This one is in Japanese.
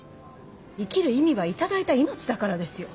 生きる意味は頂いた命だからですよ。